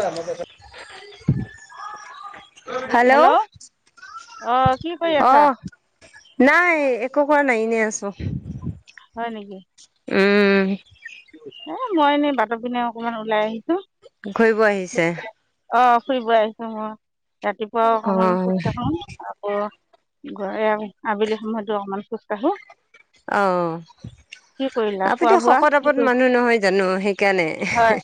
[unintelligible] Hello অহ। অ কি কৰি আছা নাই একো কৰা নাই এনে আছোঁ। হয় নেকি। উম। এ মই এনেই বাটৰ পিনে অকমান উলাই আহিছোঁ। ঘুৰিব আহিছে। অ ফুৰিব আহিছো ৰাতিপুৱাও অ অকমান খোজা কাঢ়ো আকৌ। গৈ আবেলি সময়তো অকমান খোজ কাঢ়ো। অ কি কৰিলা খোৱা আপুনি বোৱা শকত কি আপত কৰি মানুহ। নহয় জানো সেইকাৰণে। হয়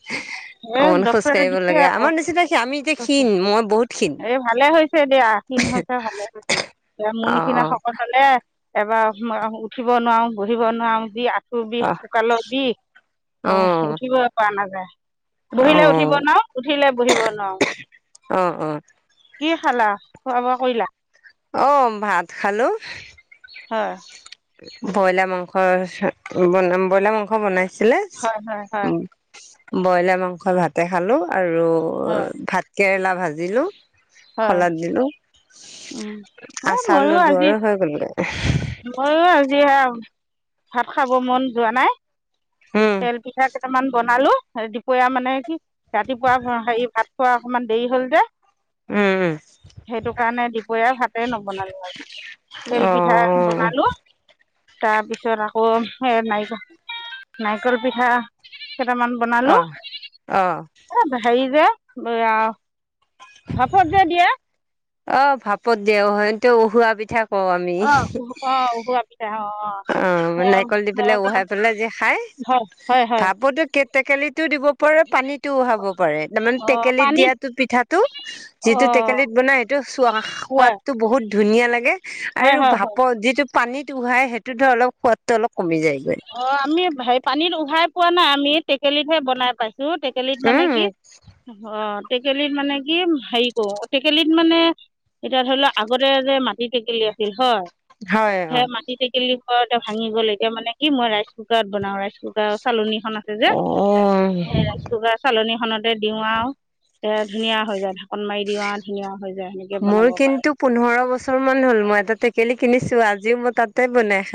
এ অকন খোজ ডক্তৰে কাঢ়িব দিছে লাগে আকৌ আমাৰ নিচিনা আমি এতিয়া ক্ষীণ মই বহুত ক্ষীণ। এই ভালে হৈছে দিয়া ক্ষীণ হৈছা ভালে হৈছে এ মোৰ অ নিচিনা শকত হলে। এবাৰ উঠিব নোৱাৰো বহিব নোৱাৰো যি আঁঠু বিষ অ ককালৰ বিষ। অ উঠিব পৰা নাযায়। অ বহিলে উঠিব নো অ উঠিলে বহিব অ নোৱাৰো। অ কি খালা খোৱা-বোৱা কৰিলা। অ ভাত খালোঁ। হয়। ব্ৰইলাৰ মাংস ব্ৰইলাৰ মাংস বনাই ছিলে হয় হয় হয় ব্ৰইলাৰ মাংস ভাতে খালো। আৰু হয় ভাতকেৰেলা ভাজিলোঁ হয় শলাদ দিলোঁ। উম এ আচাৰ ময়ো ললো আজি আৰু হৈ গ'ল। ময়ো আজি ভাত খাব মন যোৱা নাই। উম তেল পিঠা টামান বনালো দুপৰীয়া মানে কি ৰাতিপুৱা হেৰি ভাত খোৱা অকণমান দেৰি হল যে উম উম। সেইটো কাৰণে দিপৰীয়া ভাতেই নবনালো আৰু। তেল পিঠা অ, বনালো। তাৰপিছত আকৌ এ নাৰিক নাৰিকল পিঠা। কেইটামান বনালো অ অ এ হেৰি যে এয়া ভাফত যে দিয়ে। অ ভাপত দিয়া উহুৱা পিঠা কওঁ আমি। অ উহ- অ উহোৱা পিঠা অ অ অ' সেয়া নাৰিকল দি সেয়া পেলাই কেইটামান উহাই পেলাই যে খাই হয় হয় হয় ভাপতো কে টো দিব পাৰে পানীতটো উহাব পাৰে তাৰমানে অঁ টেকেলিত পানীত দিয়াটো পিঠাটো যিটো অঁ টেকেলিত বনাই সেইটো চোৱা হয় সোৱাদটো বহুত ধুনীয়া লাগে হয় আৰু হয় হয় ভাপৰ যিটো পানীত উহাই সেইটোত ধৰ অলপ সোৱাদটো অলপ কমি যায়। অ' আমি হ পানীত উহাই পোৱা নাই আমি টেকেলিতহে বনাই পাইছো। তোৰ টেকেলিত মানে উম কি অ'। টেকেলিত মানে কি হেৰি কৰো টেকেলিত মানে এতিয়া ধৰি লও আগতে যে মাটি টেকেলি আছিল হয়। হয় সে অ মাটি টেকেলি পৰা ভাঙি গ'ল এতিয়া মানে কি মই ৰাইচ কুকাৰত বনাও ৰাইচ কুকাৰৰ চালনী। আছে যে অ সেই ৰাইচ কুকাৰ চালনীখনত তে দিও আৰু তে ধুনীয়া হৈ যায় ঢাকন মাৰি দিও ধুনীয়া। হৈ যায় সেনেকৈ মোৰ বনাব পাৰোঁ কিন্তু পোন্ধৰ বছৰ মান হ'ল মই এটা টেকেলি কিনিছো আজিও মই তাত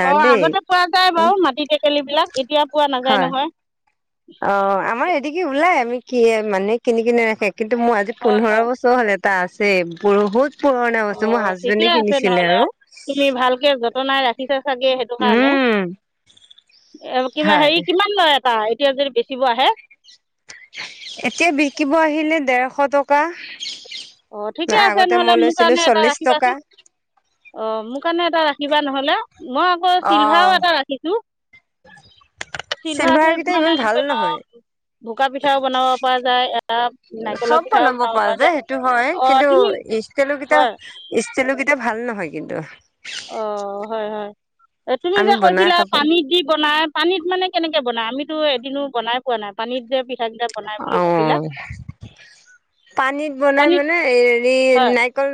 অ' আগতে পোৱা যায় বাৰু মাটি টেকেলি বিলাক এতিয়া পোৱা নাযায় হয়। নহয়। অ', আমাৰ এদিগে ওলাই আমি কি মানুহে কিনি কিনে ৰাখে। কিন্তু মোৰ আজি হয় পোন্ধৰ হয় বছৰ হ'ল এটা আছে বহুত পুৰণা অ বস্তু মোৰ হাজবেণ্ডে ঠিকে আছে কিনিছিলে নহলে আৰু। তুমি ভালকে নাই ৰাখিছা চাগে সেইটো কাৰণে উম কিবা হয় হেৰি কিমান লয় এটা। তেতিয়া যদি বেচিব আহে। এতিয়া বিকিব আহিলে দেৰশ টকা। অ ঠিকে আছে আগতে নহলে মই মোৰ লৈছিলো কাৰণে এটা চল্লিশ টকা। ৰাখিবাচোন অ মোৰ কাৰণে টা ৰাখিবা নহলে মই আকৌ চিলভাৰও অ' এটা ৰাখিছো। চিলভাৰ কেইটা মানে ইমান ভাল ধল নহয় বোকা পিঠাও বনাব পৰা যায়। নাৰিকলৰ পিঠাও বনাব পৰা যায়। টো হয় অঁ কিন্তু তুমি ষ্টেলৰ কেইটা হয় ষ্টেলৰ কেইটা ভাল নহয় কিন্তু। অ', হয় হয়। তুমি আমি যে বনাই কৈছিলা খাব পানীত দি বনাই পানীত মানে কেনেকে বনাই আমি তো এদিনো বনাই পোৱা নাই পানীত যে পিঠাকেইটা বনাই বুলি কৈছিলা অ'। পানীত বনাই পানীত মানে হেৰি হয় নাৰিকল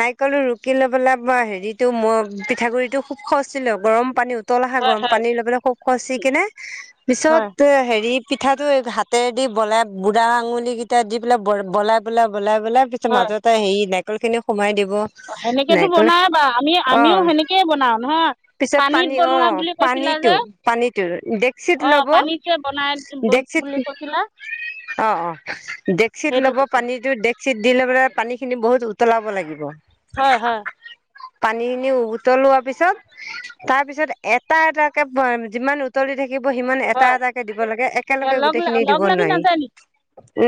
নাইিকলো ৰুকি লৈবেলাই হেৰিতটো মই পিঠাগুৰি টো খুব খজছিলো। গৰম পানী উতল আহে হয় গৰম হয় পানী লৈ পেলাই খুব খচি কিনে হয় পিছত হেৰি পিঠাটো হাতেৰে দি বলাই বুঢ়া আঙুলি কেইটা দি পেলাই ব বলাই পেলাই। বলাই বলাই পিছত হয় মাজতে হে নাইকল খিনি সোমাই দিব। সেনেকেতো নাৰিকল বনাই বা আমি অ আমিও সেনেকেই বনাও নহয়। পিছত পানীত পানী অ বনোৱা বুলি কৈছিলা পানীটো যে পানীটো ডেকচিত অ ল'ব পানীত যে বনাই দি বল ডেকচিত বুলি কৈছিলা। অ অ ডেকচিত সেইটো লব কৈছোঁ পানীতটো ডেক্চিত দিলৈ পেলাই পানী খিনি বহুত উতলাব লাগিব। হয় হয় পানী খিনি উতলোৱা পিছত তাৰ পিছত এটা এটাকে যিমান উতলি থাকে- থাকিব সিমান এটা হয় এটাকে দিব লাগে, এ একেলগে লগ গোটেই খিনি দিব লগ লাগি নোৱাৰি। নাযায় নেকি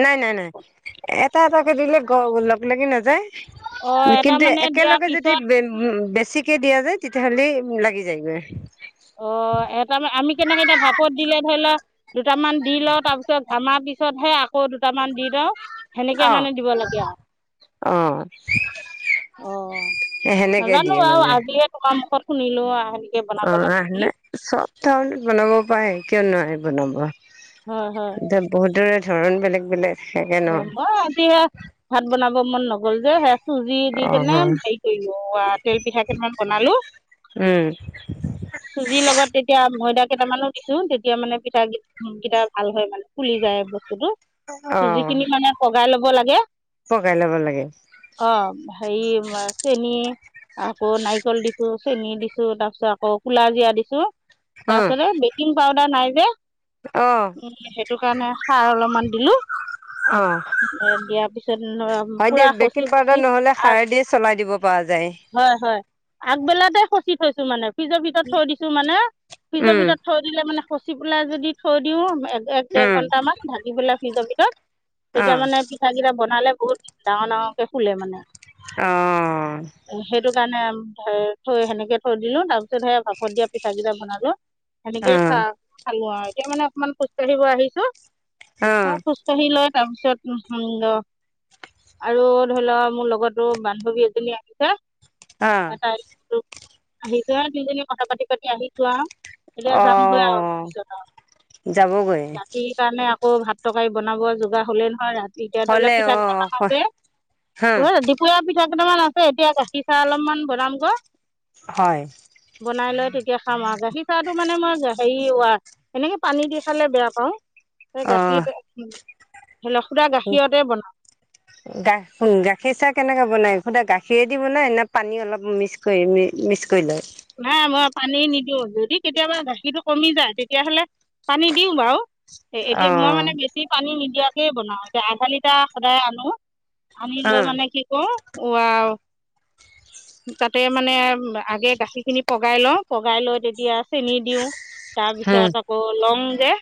নাই নাই নাই, এটা এটাকে দিলে গ লগ লাগি নাযায়। অঁ এটা কিন্তু মানে দিয়াৰ একেলগে যদি উ পিছত [unintelligible] চিকে দিয়া যায় তেতিয়াহ'লে লাগি যায়গৈ। অ এটা আমি কেনেকে, এতিয়া ভাপত দিলে ধৰি লোৱা দুটামান দি লওঁ তাৰপিছত ভামাৰ পিছতহে আকৌ দুটামান দি লওঁ- সেনেকে অ মানে দিব লাগে আৰু। অ অ' সেনেকে নাজানো দিয়ে আৰু মানে আজিয়ে তুমা মুখত শুনিলো আও কেনেকে বনাব অ আহ লাগে। বুলি নাই, সব ধৰণৰ বনাব পাৰে, কিয় নোৱাৰি বনাব? হয় হয় এতিয়া বহুতৰে ধৰন বেলেগ বেলেগ। থাকে ন অ, মই এতিয়া ভাত বনাব মন নগ'ল যে সেয়ে চুজি দি অ কেনে অ হেৰি কৰিলো, তেল পিঠা কেইটামান বনালো। উম চুজিৰ লগত তেতিয়া ময়দা- কেইটামানো দিছো, তেতিয়া মানে পিঠা কি কেইটা ভাল হয় মানে ফুলি যায় বস্তুতটো। অ চুজিখিনি মানে পগাই লব লাগে, পকাই ল'ব লাগে অ। হেৰি, মা চেনি আকৌ নাৰিকল দি চেনি দিছো, তাৰপিছত আকৌ ক'লাজিৰা দিছো, অ তাৰ পিছতে বেকিং পাউদাৰ নাই যে। অ উম, সেইটো কাৰণে খাৰ অলপমান দিলো। অ'। দিয়াৰ পিছত হয় দে, পুৰা খচি বেকিং খচি পাউদাৰ নহ'লে আ খাৰে দিয়ে চলাই দিব পৰা যায়। হয়, হয়, আগবেলাতে [unintelligible] থৈছো মানে ফ্ৰিজৰ ভিতৰত থৈ দিছো মানে ফ্ৰিজৰ উম ভিতৰত থৈ দিলে মানে খচি পেলাই যদি থৈ দিও এক এক ডেৰ উম ঘণ্টামান ভাগি পেলাই [unintelligible] দি অ তেতিয়া মানে পিঠা কিটা বনালে বহুত ডাঙৰ ডাঙৰকে ফুলে মানে। অ। মানে থৈ সেনেকে দিলো, তাৰ পিছত সে ভাপত দিয়া পিঠা কেইটা বনালো। অ সেনেকেই খা খালো আৰু, এতিয়া মানে অকমান খোজকাঢ়িব আহিছো। অহ। অ খোজকাঢ়ি তাৰপিছত [unintelligible] আৰু, ধৰি লোৱ মোৰ লগতো বান্ধৱী এজনী আহিছে। অ তাই আৰু আহিছোহে দুইজনীয়ে কথা পাতি, পাতি আহিছো আৰু। এতিয়া অ যামগৈ আৰু, পিছত আৰু, যাবগৈ ৰাতি কাৰণে আ আকৌ ভাত তৰকাৰি বনাব জোগা হ'লে, নহয় ৰা এতিয়া ধৰি লওক, হ'লে অ পিঠা দুটা মান আছে, হা এই দুপৰীয়া পিঠা কেইটামান আছে, এতিয়া গাখীৰ চাহ অলপমান বনাম গৈ। হয়। বনাই লৈ তেতিয়া খাম আৰু, গাখীৰ চাহটো‌‌ মানে‌ মই হেৰি, হেনেকে পানী দি খালে বেয়া পাওঁ। তই গাখীৰটো উহ, বনাওঁ গাখীৰ, গাখীৰ চাহ কেনেকে বনাই? সদায় গাখীৰেদি বনাই নে পানী অলপ মিক্স, মিক্স কৰি লয়? নাই, মই পানী নিদিওঁ যদি কেতিয়াবা গাখীৰটো কমি যায় তেতিয়াহ'লে পানী দিওঁ বাৰু। এ‌ অ এতিয়া মই মানে বেছি পানী নিদিয়াকে বনাও, এতিয়া আধা লিটাৰ সদায় আনো। আনি অ লৈ মানে কি কৰোঁ, এইয়া তাতে মানে আগে গাখীৰ খিনি পগাই লওঁ, পগাই লৈ তেতিয়া চেনি দিওঁ, তাৰ হম পিছত আকৌ লং এহ,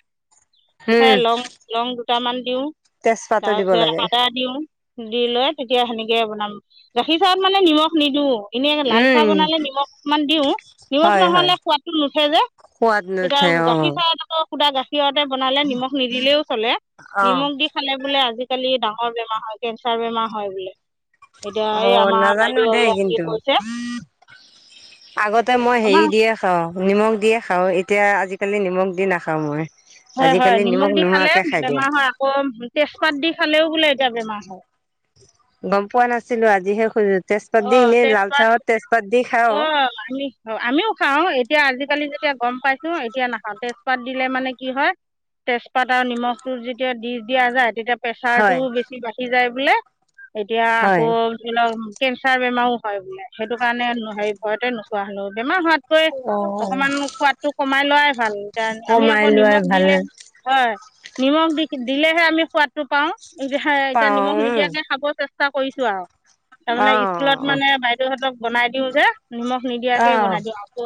সেই উম। লং-লং দুটামান দিওঁ, তেজপাতো দিব তাৰপিছত লাগে। আদা দিওঁ দি লৈ তেতিয়া সেনেকে বনালো। গাখীৰ চাহত মানে নিমখ নিদিয়ে। এনেই লাল চাহ উম, বনালে নিমখ অকণমান দিওঁ, নিমখ হয় হয়। নহ'লে সোৱাদটো নুঠে যে। সোৱাদ নুঠে এতিয়া গাখীৰ অ'। চাহ আকৌ শুদা গাখীৰতে বনালে নিমখ নিদিলেও চলে। অ' নিমখ দি খালে বোলে আজিকালি ডাঙৰ বেমাৰ হয়, কেঞ্চাৰ বেমাৰ হয় বোলে। এতিয়া আৰু অ', আমাৰ নাজানো বাইদেউ দেই আহি আছে, কিন্তু। কৈছে। আগতে মই হেৰি আমাৰ দিয়ে খাওঁ, নিমখ দিয়ে খাওঁ, এতিয়া আজিকালি নিমখ দি নাখাও মই। হয়-হয়, আজিকালি নিমখ দি খালে নোহোৱাকে খাই দিওঁ। বেমাৰ হয় আকৌ তেজপাত দি খালেও বোলে বেমাৰ হয়। গম পোৱা নাছিলো আজিহে শুনি। অ' তেজপাত খাওঁ, অ আমি-আমিও খাও এতিয়া আজি আজিকালি যেতিয়া গম পাইছো, এতিয়া নাখাওঁ, তেজপাত দিলে মানে কি হয়? তেজপাত আৰু নিমখটো যেতিয়া দি দিয়া যায় তেতিয়া প্ৰেছাৰতটো হয় বেছি বাঢ়ি যায় বোলে এতিয়া আকৌ হয়। ধৰি লওক। কেঞ্চাৰ বেমাৰো হয় বোলে সেইটো কাৰণে হেৰি ভয়তে নোখোৱা হলেও বেমাৰ হোৱাতকৈ অ'। অকমান সোৱাদটো কমাই লোৱাই ভাল কাৰণ আমি কমাই আকৌ লোৱাই নিমখ ভাল দিলে হয়। নিমখ দি দিলেহে আমি সোৱাদটো পাও এতিয়া পাওঁ নিমখ উম, নিদিয়াকে খাব চেষ্টা, চেষ্টা কৰিছো আৰু তাৰমানে স্কুলত অ'। মানে বাইদেউহঁতক বনাই দিওঁ যে। নিমখ নিদিয়াকে অ', বনাই দিওঁ আকৌ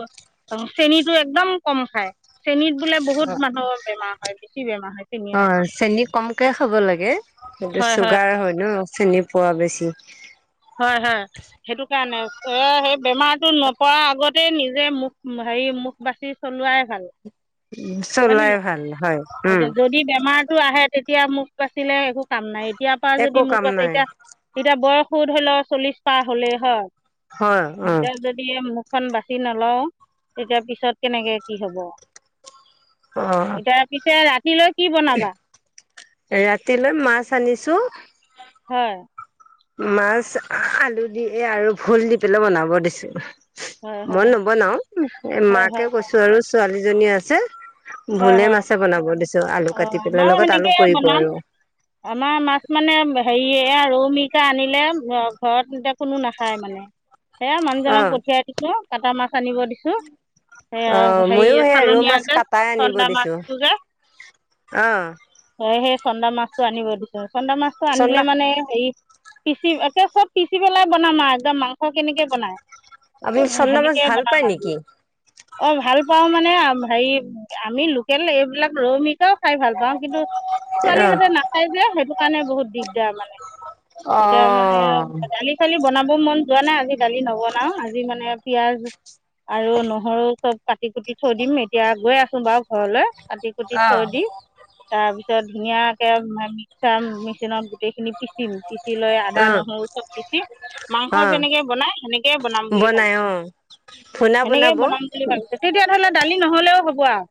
চেনটো একদম কম খাই চেনীত, বোলে বহুত অ', মানুহৰ বেমাৰ হয় বেছি বেমাৰ। হয় চেনিয়ত অ' চেনী কমকে খাব লাগে সেইটো চুগাৰ হয় ন। চেনি পোৱা বেছি। হয়-হয় সেইটো কাৰণে সেই বেমাৰটো নপাৰ আগত নিজে মুখ হেৰি মুখ বাচি চলোৱাই ভাল। হয় নে চলাই নহয় ভাল হয় উম এতিয়া যদি বেমাৰ টো আহে তেতিয়া মোক আছিলে একো কাম নাই এতিাৰ পৰা যদি একো মোক কাম আছে নাই এতিয়া এতিয়া বয়স। ফুধ হলেও চল্লিশ প হলেই হয় হয় অ এ যদি খন বাছি নলও তেতিয়া পিছত কেনেকে কি হব। অ তাৰ পিছে ৰাতিলৈ কি বনাবা ৰাতিলৈ মাছ আনিছো। হয়। মাছ আলু দি আৰু ভোল দি পেলাই বনাব দিছো। হয় মই হয় নবনাও এ হয় মাকে হয় কৈছো আৰু ছোৱালীজনী আছে। হয় ভুলে হয় মাছে বনাব দি অ' আমাৰো সেনেকে বনাম আমাৰ মাছ মানে। হেৰিয়ে ৰৌমিকা আনিলে ঘৰত এতিয়া কোনো নাখায় মানে এ অ মানুহজনক পঠিয়াই দিছো কাটা মাছ আনিব দিছো অ' ময়ো সেই ৰৌ মাছ কটাাই আনিব চন্দা দিছো মাছটো যে অ', সেই চন্দা মাছটো আনিব দিছো চন্দা মাছটো আনিলে চন্দা মানে হেৰি পিচি একে চব পিচি পেলাই বনাম আৰু একদম মাংস কেনেকে বনাই। আপুনি উম, চন্দা মাছ সেনেকেই ভাল বনাম পায় আৰুজি নেকি অ' ভাল পাও মানে মানে হেৰি আমি লোকেল এইবিলাক ৰৌ মিকাও খাই ভাল পাওঁ কিন্তু। অ', ছোৱালীহঁতে নাাপায় যে সেইটো কাৰণে বহুত দিগদাৰ মানে। এতিয়া অ', মানে দালি চালি ব বনাব মন যোৱা নাই আজি দালি নবনাও আজি মানে পিয়াজ আৰু নহৰু চব কাটি কুটি থৈ দিম এতিয়া গৈ আছো বাৰু ঘৰলৈ কাটি কুটি থৈ দি। তাৰ পিছত ধুনীয়াকে মিক্সাৰ মেচিনত গোটেইখিনি পিচিম। লয় আদা, নহৰু চব পিছি মাংস অ', যেনেকে বনাই সেনেকেই বনাম বুলি বনাই ভাবিছো। অ', ভুনা বনাব সেনেকেই বনাম বুলি ভাবিছো, তেতিয়া হ'লে দালি নহ'লেও হ'ব আৰু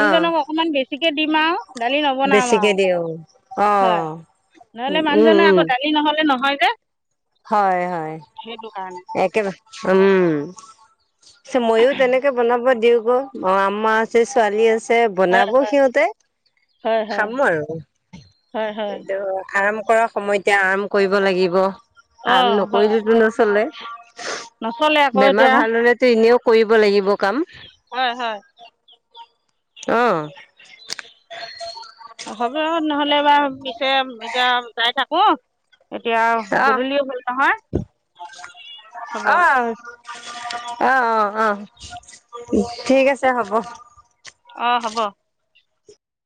অ', অকমান বেছিকে দিম আৰু দালি নবনাম বেছিকে আৰু দিয়ে অ', হয়, অ', নহ'লে মানুহজনে আকৌ দালি নহ'লে নহয়। যে হয়-হয়, সেইটো কাৰণে একেবাৰে উম'। পমইও তেনেকে বনাব দিওঁ গৈ, আম্মা আছে ছোৱালী আছে। হয় বনাব সিহঁতে হয় হয় খাম আৰু হয় হয় সিটো আৰাম কৰা সময়তে আৰাম কৰিব লাগিব। অ আৰাম হয় নকৰিলেতো নচলে, নচলে আকৌ বেমাৰ ভাল হলেতো এনেও কৰিব লাগিব কাম। হয়-হয়। অহ। হ'ব নহ'লে বাৰ পিছে এতিয়া যাই থাকো। এতিয়া অ', গধূলি হ'ল নহয় হ'ব। অ', অ', - অ', - অ' ঠিক আছে হ'ব। অ' হ'ব।